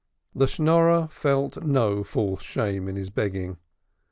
The Schnorrer felt no false shame in his begging.